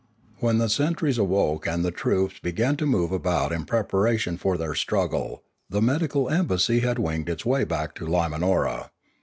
When the sentries awoke and the troops began to move about in preparation for their struggle, the medical embassy had winged its way back to Limanora.